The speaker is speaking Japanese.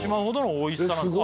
「おいしさなんです」